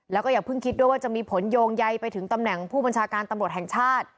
แล้วก็อย่าเพิ่งคิดด้วยว่าจะมีผลโยงใยไปถึงตำแหน่งผู้บัญชาการตำรวจแห่งชาติ